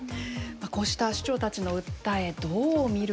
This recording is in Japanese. こうした市長たちの訴えどう見るでしょうか。